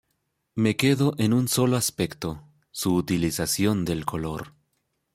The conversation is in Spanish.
Me quedo en un solo aspecto, su utilización del color.